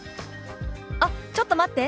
「あっちょっと待って。